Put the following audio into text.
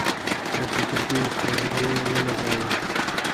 که ټکټ یې پرې ولګولو.